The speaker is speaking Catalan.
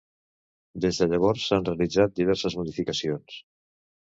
Des de llavors, s'han realitzat diverses modificacions.